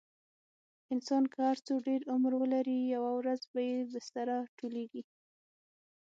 انسان که هر څو ډېر عمر ولري، یوه ورځ به یې بستره ټولېږي.